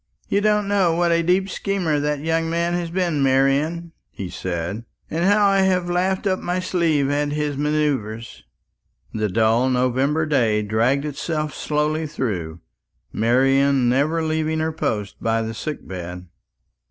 "You don't know what a deep schemer that young man has been, Marian," he said, "and how I have laughed in my sleeve at his manoeuvres." The dull November day dragged itself slowly through, Marian never leaving her post by the sick bed.